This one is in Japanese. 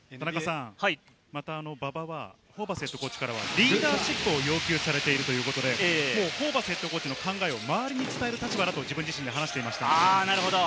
また馬場はホーバスＨＣからリーダーシップを要求されているということで、ホーバスＨＣの考えを周りに伝える立場だと自分自身で話していました。